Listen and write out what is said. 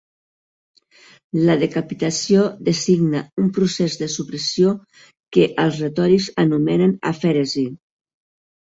La decapitació designa un procés de supressió que els retòrics anomenen afèresi.